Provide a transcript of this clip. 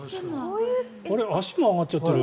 足も上がっちゃってる。